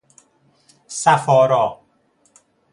صف آرا